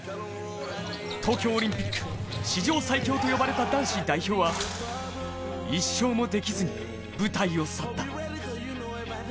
東京オリンピック、史上最強を呼ばれた男子代表は１勝もできずに舞台を去った。